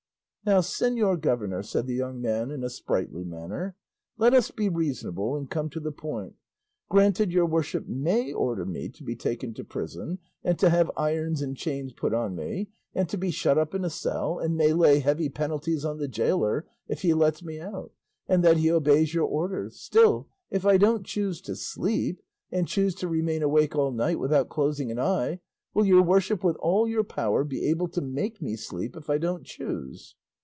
"Now, señor governor," said the young man in a sprightly manner, "let us be reasonable and come to the point. Granted your worship may order me to be taken to prison, and to have irons and chains put on me, and to be shut up in a cell, and may lay heavy penalties on the gaoler if he lets me out, and that he obeys your orders; still, if I don't choose to sleep, and choose to remain awake all night without closing an eye, will your worship with all your power be able to make me sleep if I don't choose?"